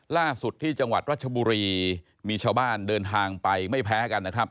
ล่าสุดที่จังหวัดรัชบุรีมีชาวบ้านเดินทางไปไม่แพ้กันนะครับ